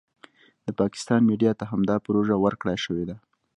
د پاکستان میډیا ته همدا پروژه ورکړای شوې ده.